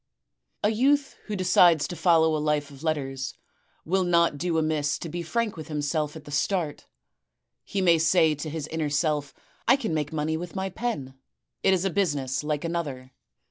"A youth who decides to follow a life of letters will not do FINAL ADVICES 323 amiss to be frank with himself at the start. He may say to his inner self: *I can make money with my pen. It is a business, like another.